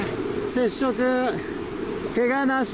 接触、けがなし。